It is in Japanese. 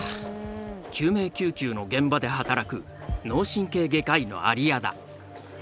救命救急の現場で働く脳神経外科医の有屋田。